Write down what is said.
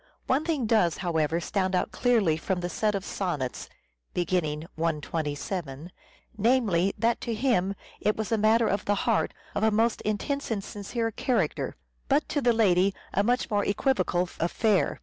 One thing does, however, stand out clearly from the set of sonnets (beginning 127) namely, that to him it was a matter of the heart, of a most intense and sincere character, but to the lady a much more equivocal affair.